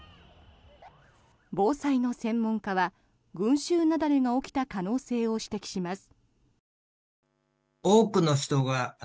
防災の専門家は群衆雪崩が起きた可能性を指摘します。